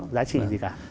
giá trị gì cả